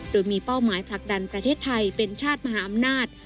โดยมีเป้าหมายผลักดันประเทศไทยเป็นชาติมหาอำนาจ